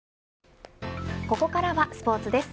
ここからスポーツです。